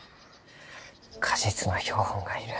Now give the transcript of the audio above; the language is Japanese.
果実の標本が要る。